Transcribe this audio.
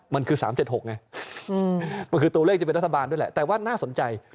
มันคือ๓๗๖ไงมันคือตัวเลขจะเป็นรัฐบาลด้วยแหละแต่ว่าน่าสนใจ